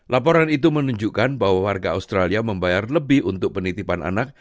laporan itu menunjukkan bahwa warga australia membayar lebih untuk penitipan anak